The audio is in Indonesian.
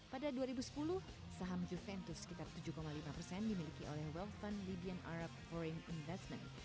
pada dua ribu sepuluh saham juventus sekitar tujuh lima persen dimiliki oleh wealth fund libyan arab foreign investment